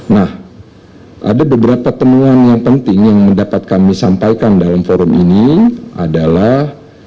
nah ada beberapa temuan yang penting yang mendapat kami sampaikan dalam forum ini adalah